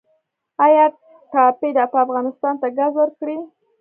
آیا ټاپي به افغانستان ته ګاز ورکړي؟